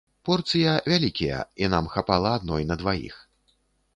Порцыя вялікія, і нам хапала адной на дваіх.